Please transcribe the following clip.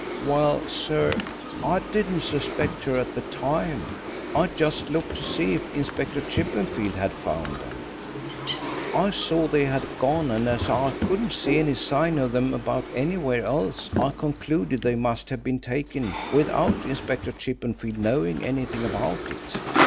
"Well, sir, I didn't suspect her at the time. I just looked to see if Inspector Chippenfield had found them. I saw they had gone, and as I couldn't see any sign of them about anywhere else I concluded they must have been taken without Inspector Chippenfield knowing anything about it.